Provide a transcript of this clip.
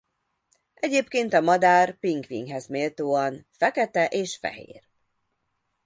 Egyébként a madár pingvinhez méltóan fekete és fehér.